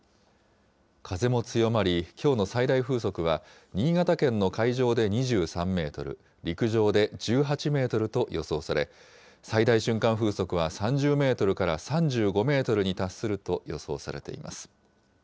風も強まり、きょうの最大風速は、新潟県の海上で２３メートル、陸上で１８メートルと予想され、最大瞬間風速は３０メートルから３５メートルに達すると予想されています。